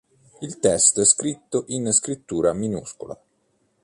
Il testo è scritto in scrittura minuscola.